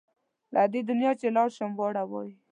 له دې دنیا چې لاړ شم واړه وایي.